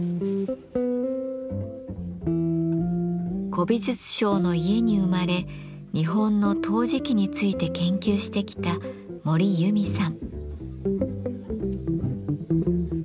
古美術商の家に生まれ日本の陶磁器について研究してきた森由美さん。